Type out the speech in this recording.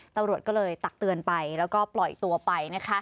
ตำรวจก็เลยตักเตือนไปแล้วก็ปล่อยตัวไปนะคะ